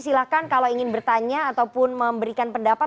silahkan kalau ingin bertanya ataupun memberikan pendapat